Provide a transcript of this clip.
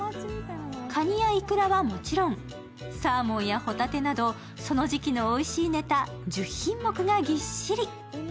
かにとイクラはもちろん、サーモンやほたてなど、その時期のおいしいネタ１０品目がぎっしり。